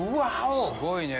「すごいね！